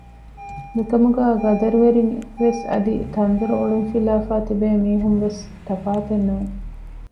މިކަމުގައި ގަދަރުވެރިން ވެސް އަދި ތަންދޮރު އޮޅުން ފިލާފައި ތިބޭ މީހުން ވެސް ތަފާތެއް ނޫން